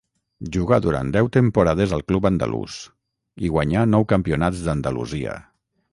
Jugà durant deu temporades al club andalús i guanyà nou campionats d'Andalusia.